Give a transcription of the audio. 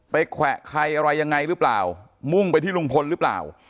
แขวะใครอะไรยังไงหรือเปล่ามุ่งไปที่ลุงพลหรือเปล่า